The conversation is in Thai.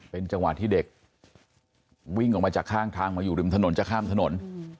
เป็นจังหวะที่เด็กวิ่งออกมาจากข้างทางมาอยู่ริมถนนจะข้ามถนน